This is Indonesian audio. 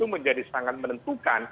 menjadi sangat menentukan